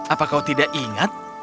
apa kau tidak ingat